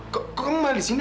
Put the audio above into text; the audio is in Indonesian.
kok kamu mbak di sini